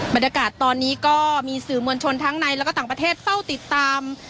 บรรยากาศตอนนี้ก็มีสื่อมวลชนทั้งในแล้วก็ต่างประเทศเฝ้าติดตาม